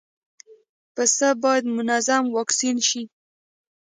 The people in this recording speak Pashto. پسه باید منظم واکسین شي.